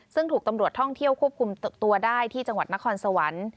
ซึ่งถูกตำรวจท่องเที่ยวควบคุมตัวได้ที่จังหวัดนครสวรรค์